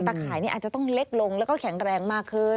ข่ายนี่อาจจะต้องเล็กลงแล้วก็แข็งแรงมากขึ้น